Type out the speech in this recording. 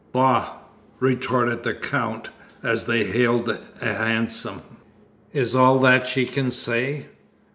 "Bah!" retorted the Count, as they hailed a hansom. "Is all that she can say?